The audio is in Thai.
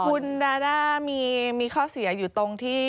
คุณดาด้ามีข้อเสียอยู่ตรงที่